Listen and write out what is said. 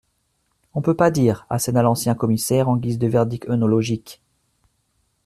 on peut pas dire, asséna l’ancien commissaire en guise de verdict œnologique.